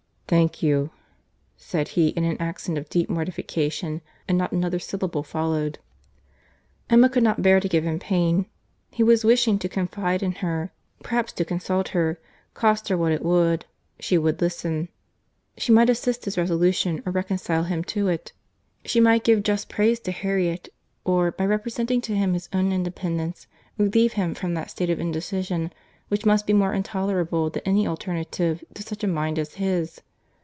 "Thank you," said he, in an accent of deep mortification, and not another syllable followed. Emma could not bear to give him pain. He was wishing to confide in her—perhaps to consult her;—cost her what it would, she would listen. She might assist his resolution, or reconcile him to it; she might give just praise to Harriet, or, by representing to him his own independence, relieve him from that state of indecision, which must be more intolerable than any alternative to such a mind as his.